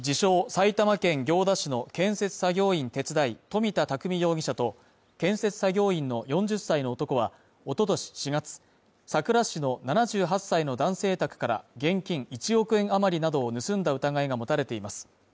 埼玉県行田市の建設作業員手伝い、富田匠容疑者と、建設作業員の４０歳の男は、おととし４月、さくら市の７８歳の男性宅から現金１億円余りなどを盗んだ疑いが持たれています。